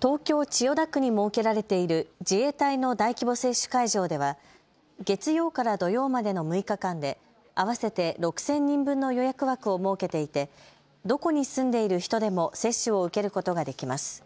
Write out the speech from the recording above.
東京・千代田区に設けられている自衛隊の大規模接種会場では月曜から土曜までの６日間で合わせて６０００人分の予約枠を設けていてどこに住んでいる人でも接種を受けることができます。